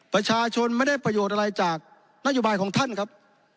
ประชาชนไม่ได้ประโยชน์อะไรจากนโยบายของท่านครับ